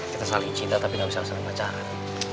kita saling cinta tapi gak bisa saling pacaran